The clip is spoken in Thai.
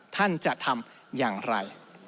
ท่านจะทำอย่างไร